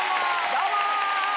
どうも！